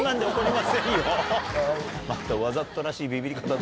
またわざとらしいビビり方で。